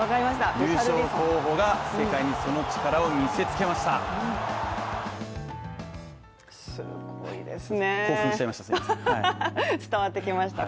優勝候補が世界にその力を見せつけました。